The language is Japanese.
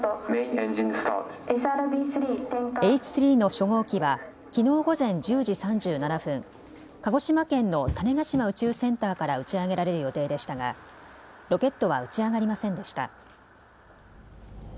Ｈ３の初号機はきのう午前１０時３７分、鹿児島県の種子島宇宙センターから打ち上げられる予定でしたがロケットは打ち上がりませんでした。